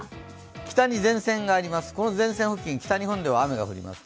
北に前線があります、この前線付近、北日本では雨が降ります。